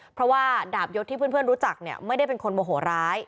เพราะว่าดาบยศที่เพื่อนรู้จักเนี่ยไม่ได้เป็นคนโมโหร้าย